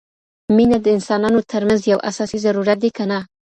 مینه د انسانانو ترمنځ یو اساسي ضرورت دی که نه؟